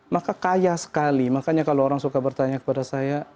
maka kaya sekali makanya kalau orang suka bertanya kepada saya